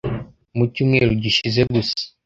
Mu cyumweru gishize gusa,